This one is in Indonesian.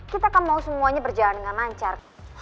kita akan mau semuanya berjalan dengan lancar